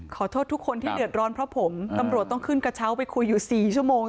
ขอโทษทุกคนที่เดือดร้อนเพราะผมตำรวจต้องขึ้นกระเช้าไปคุยอยู่๔ชั่วโมง